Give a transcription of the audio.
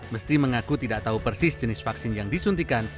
mesti mengaku tidak tahu persis jenis vaksin yang disuntikan